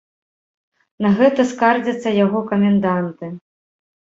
На гэта скардзяцца яго каменданты.